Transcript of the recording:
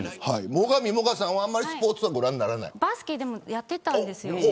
最上もがさんはあんまりスポーツはバスケやってたんですよ。